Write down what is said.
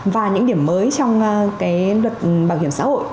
và những điểm mới trong luật bảo hiểm xã hội